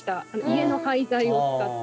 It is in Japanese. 家の廃材を使って。